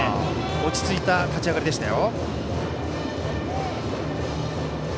落ち着いた立ち上がりでしたよ。